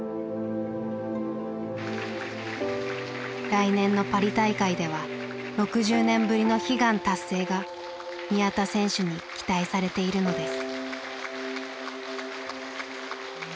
来年のパリ大会では６０年ぶりの悲願達成が宮田選手に期待されているのです。